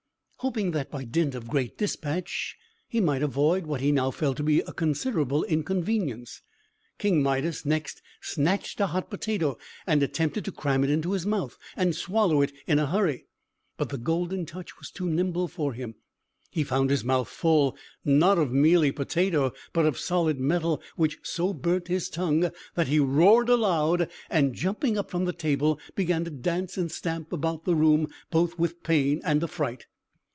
Hoping that, by dint of great dispatch, he might avoid what he now felt to be a considerable inconvenience, King Midas next snatched a hot potato, and attempted to cram it into his mouth, and swallow it in a hurry. But the Golden Touch was too nimble for him. He found his mouth full, not of mealy potato, but of solid metal, which so burnt his tongue that he roared aloud, and, jumping up from the table, began to dance and stamp about the room, both with pain and affright.